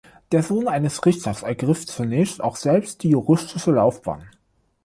Der Sohn eines Richters ergriff zunächst auch selbst die juristische Laufbahn.